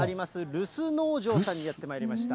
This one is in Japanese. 留守農場さんにやってまいりました。